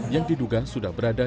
yang diduga sudah menangkap